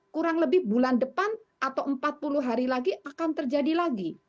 kurang lebih bulan depan atau empat puluh hari lagi akan terjadi lagi